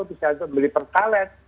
bisa untuk beli perkalet